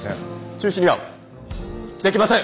中止にはできません。